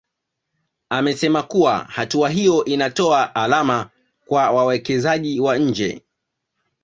Amesema kuwa hatua hiyo inatoa alama kwa wawekezaji wa nje